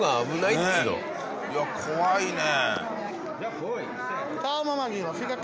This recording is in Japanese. いや怖いね。